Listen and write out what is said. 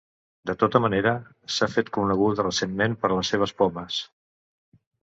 De tota manera, s'ha fet coneguda recentment per les seves pomes.